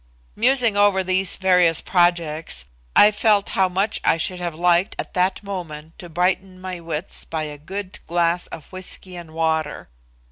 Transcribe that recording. Musing over these various projects, I felt how much I should have liked at that moment to brighten my wits by a good glass of whiskey and water.